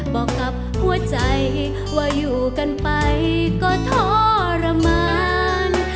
บอกกับหัวใจว่าอยู่กันไปก็ทรมาน